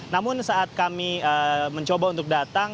namun saat kami mencoba untuk datang